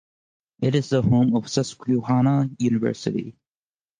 It is the home of Susquehanna University.